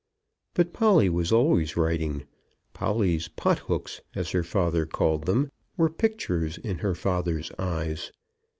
But Polly was always writing. Polly's pothooks, as her father called them, were pictures in her father's eyes.